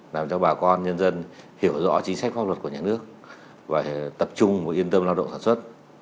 làm cho bà con nhân dân hiểu rõ chính sách pháp luật của nhà nước và tập trung yên tâm lao động sản xuất